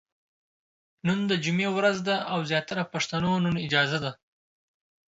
نن د جمعې ورځ ده او زياتره پښتنو نن اجازه ده ،